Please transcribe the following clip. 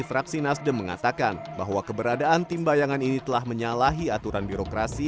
fraksi nasdem mengatakan bahwa keberadaan tim bayangan ini telah menyalahi aturan birokrasi